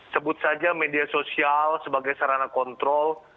sebut saja media sosial sebagai sarana kontrol